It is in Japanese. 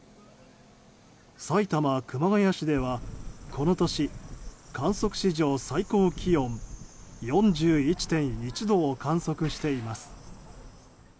埼玉熊谷市ではこの年、観測史上最高気温４１．１度を観測しています。